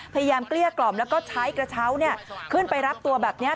เกลี้ยกล่อมแล้วก็ใช้กระเช้าขึ้นไปรับตัวแบบนี้